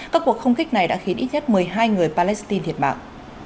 các cuộc không kích này đã khiến ít nhất một mươi hai người palestine thiệt mạng